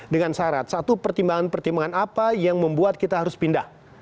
dengan syarat satu pertimbangan pertimbangan apa yang membuat kita harus pindah